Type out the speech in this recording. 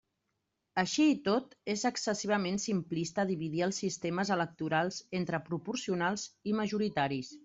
Així i tot, és excessivament simplista dividir els sistemes electorals entre proporcionals i majoritaris.